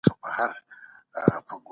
استازي په بهرني سیاست کي څه لټوي؟